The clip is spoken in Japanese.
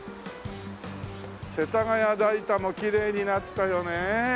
世田谷代田もきれいになったよね。